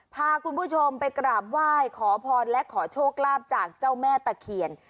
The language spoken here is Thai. พาคุณผู้ชมไปกราบไหว้ขอพรและขอโชคลาภจากเจ้าแม่ตะเคียน